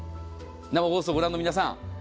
生放送をご覧の皆さん。